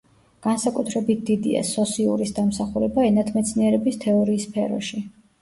განსაკუთრებით დიდია სოსიურის დამსახურება ენათმეცნიერების თეორიის სფეროში.